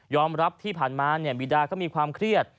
รับที่ผ่านมาบีดาเขามีความเครียด